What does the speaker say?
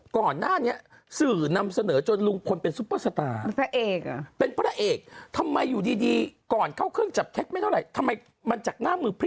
ก่อนหน้านี้สื่อนำเสนอจนลุงพลเป็นซุปเปอร์สตาร์